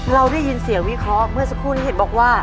เราได้ยินเสียงวิเคราะห์เมื่อสักครู่นี้เห็นบอกว่า